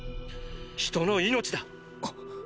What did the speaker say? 人の命だ。っ！